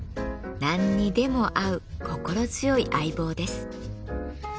何にでも合う心強い相棒です。